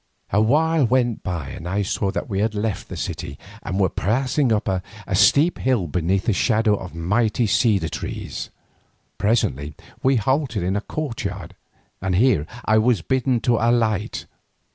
A while went by and I saw that we had left the city, and were passing up a steep hill beneath the shadow of mighty cedar trees. Presently we halted in a courtyard and here I was bidden to alight.